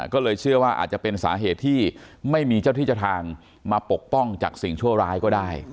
ก็เลยเชื่อว่าอาจจะเป็นสาเหตุที่ไม่มีเจ้าที่เจ้าทางมาปกป้องจากสิ่งชั่วร้ายก็ได้